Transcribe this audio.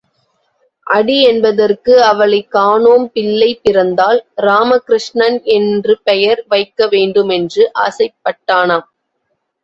அடி என்பதற்கு அவளைக் காணோம் பிள்ளை பிறந்தால் ராம கிருஷ்ணன் என்று பெயர் வைக்கவேண்டுமென்று ஆசைப் பட்டானாம்.